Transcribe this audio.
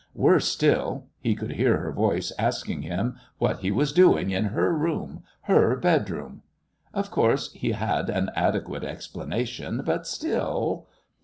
Worse still he would hear her voice asking him what he was doing in her room her bedroom. Of course, he had an adequate explanation, but still